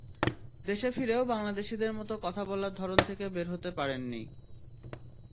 দেশে ফিরেও বাংলাদেশিদের মতো কথা বলার ধরন থেকে বের হতে পারেননি।